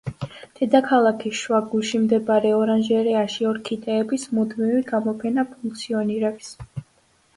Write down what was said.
დედაქალაქის შუაგულში მდებარე ორანჟერეაში ორქიდეების მუდმივი გამოფენა ფუნქციონირებს.